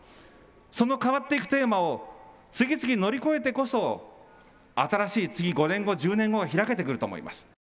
その変わっていくテーマを次々乗り越えてこそ、新しい次５年後、１０年後が開けてくると思います。